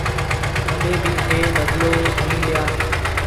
ڪڏيَ ڀِي ٿَي بدلو نِي ليا۔